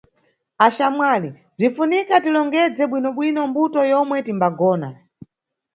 Axamwali, bzinʼfunika tilongedze bwinobwino mbuto yomwe timbagona.